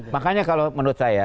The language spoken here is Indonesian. makanya kalau menurut saya